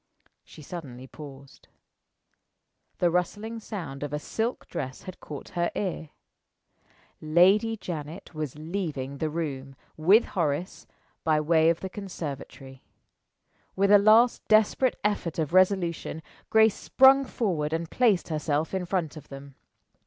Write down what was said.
She suddenly paused. The rustling sound of a silk dress had caught her ear. Lady Janet was leaving the room, with Horace, by way of the conservatory. With a last desperate effort of resolution, Grace sprung forward and placed herself in front of them.